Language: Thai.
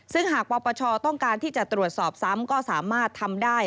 ซึ่งหากปปชต้องการที่จะตรวจสอบซ้ำก็สามารถทำได้